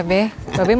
mas taruh gue terus